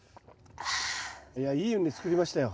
いやいい畝作りましたよ